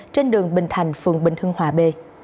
trên đường bình thành phường bình hưng hòa b